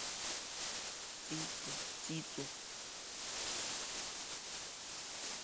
Ҵиҵу, ҵиҵу!